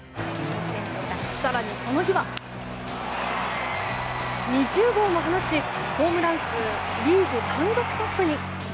更に、この日は２０号も放ちホームラン数リーグ単独トップに。